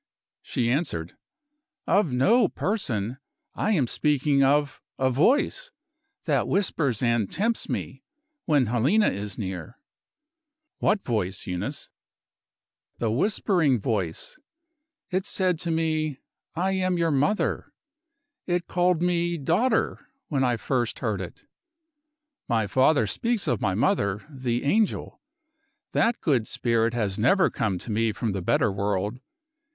She answered: "Of no person. I am speaking of a Voice that whispers and tempts me, when Helena is near." "What voice, Eunice?" "The whispering Voice. It said to me, 'I am your mother;' it called me Daughter when I first heard it. My father speaks of my mother, the angel. That good spirit has never come to me from the better world.